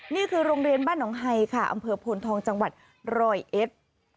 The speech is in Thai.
นี่คือโรงเรียนบ้านหนองไฮค่ะอำเภอโพนทองจังหวัดร้อยเอ็ด